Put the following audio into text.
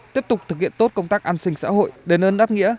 tiếp tục thực hiện tốt công tác an sinh xã hội để nâng đáp nghĩa